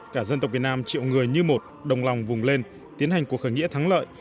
cả dân tộc việt nam triệu người như một đồng lòng vùng lên tiến hành cuộc khởi nghĩa thắng lợi